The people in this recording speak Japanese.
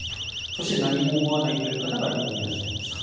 そして、何も思わないという方が４人いらっしゃいました。